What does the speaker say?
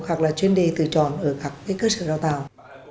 hoặc là chuyên đề từ tròn ở các cơ sở đào tạo